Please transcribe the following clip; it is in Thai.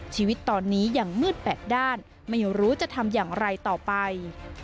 ชีวิตตอนนี้ยังมืดแปดด้านไม่รู้จะทำอย่างไรต่อไป